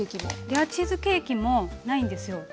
レアチーズケーキもないんですよ。